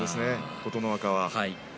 琴ノ若が。